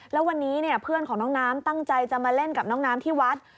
แล้ววันนี้เพื่อนของน้องน้ำตั้งใจจะมาเล่นกับน้องน้ำที่วัด